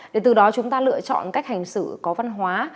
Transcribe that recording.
để từ đó chúng ta lựa chọn cách hành xử có văn hóa